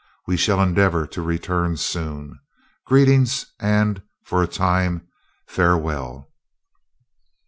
We shall endeavor to return soon. Greetings, and, for a time, farewell."